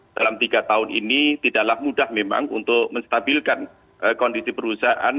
dalam tiga tahun ini tidaklah mudah memang untuk menstabilkan kondisi perusahaan